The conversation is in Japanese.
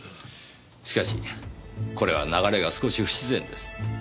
しかしこれは流れが少し不自然です。